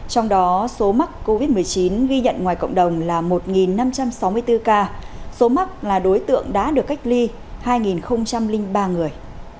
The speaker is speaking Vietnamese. trong đó số mắc covid một mươi chín ghi nhận ngoài cộng đồng là một năm trăm sáu mươi bốn ca số mắc là đối tượng đã được cách ly hai ba người